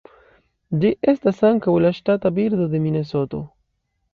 Ĝi estas ankaŭ la ŝtata birdo de Minesoto.